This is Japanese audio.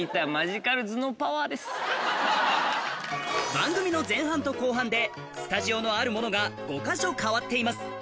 番組の前半と後半でスタジオのあるものが５か所変わっています